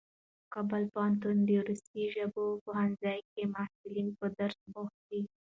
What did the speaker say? کابل پوهنتون د روسي ژبو پوهنځي کې محصلان په درس بوخت دي.